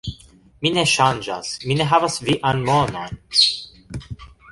Mi ne ŝanĝas, mi ne havas vian monon